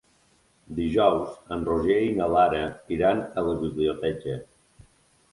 Dijous en Roger i na Lara iran a la biblioteca.